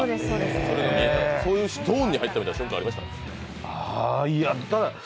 そういうゾーンに入った瞬間ありました？